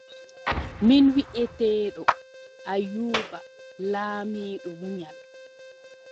Min wiʼeteeɗo Ayuuba laamiɗo munyal.